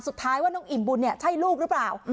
สุดท้ายว่าน้องอิ่มบุญเนี่ยใช่ลูกหรือเปล่า